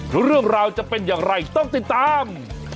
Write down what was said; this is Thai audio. เรื่องราวจะเป็นอย่างไรต้องติดตาม